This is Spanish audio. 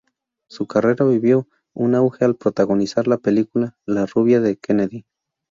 Su carrera vivió un auge al protagonizar la película "La rubia de Kennedy".